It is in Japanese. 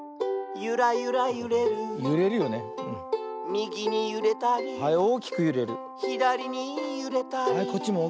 「みぎにゆれたり」「ひだりにゆれたり」